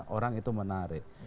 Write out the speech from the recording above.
orang itu menarik